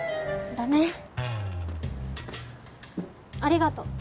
だね。ありがと。